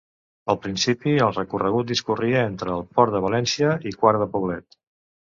Al principi, el recorregut discorria entre el Port de València i Quart de Poblet.